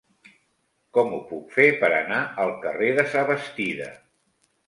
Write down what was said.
Com ho puc fer per anar al carrer de Sabastida?